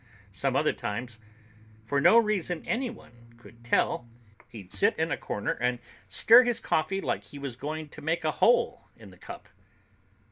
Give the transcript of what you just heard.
Some other times, for no reason anyone could tell, he'd sit in a corner and stir his coffee like he was going to make a hole in the cup."